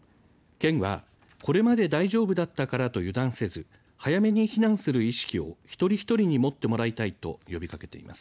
県は、これまで大丈夫だったからと油断せず早めに避難する意識を一人一人に持ってもらいたいと呼びかけています。